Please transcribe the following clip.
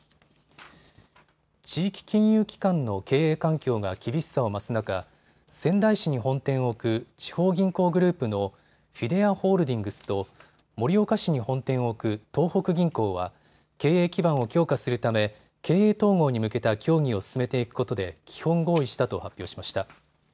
地域金融機関の経営環境が厳しさを増す中、仙台市に本店を置く地方銀行グループのフィデアホールディングスと盛岡市に本店を置く東北銀行は経営基盤を強化するため経営統合に向けた協議を進めていくことで基本合意したと発表しました。